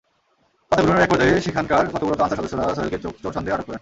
পাতা কুড়ানোর একপর্যায়ে সেখানকার কর্তব্যরত আনসার সদস্যরা সোহেলকে চোর সন্দেহে আটক করেন।